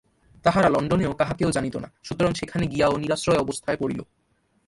তাহারা লণ্ডনেও কাহাকেও জানিত না, সুতরাং সেখানে গিয়াও নিরাশ্রয় অবস্থায় পড়িল।